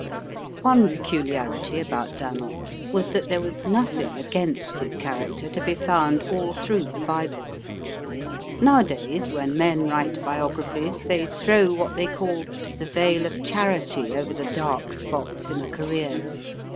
One peculiarity about Dan'l was that there was nothing against his character to be found all through the Bible. Nowadays, when men write biographies, they throw what they call the veil of charity over the dark spots in a career.